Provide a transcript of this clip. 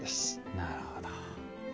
なるほど。